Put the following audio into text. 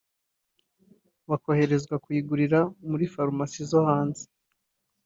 bakoherezwa kuyigurira muri farumasi zo hanze